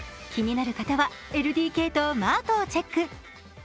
気になる方は「ＬＤＫ」と「Ｍａｒｔ」をチェック。